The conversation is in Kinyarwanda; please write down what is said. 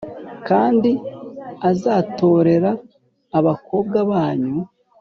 Kandi azatorera abakobwa banyu